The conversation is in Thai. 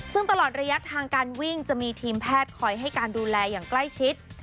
ซึ่งตลอดระยะทางการวิ่งจะมีทีมแพทย์คอยให้การดูแลอย่างใกล้ชิด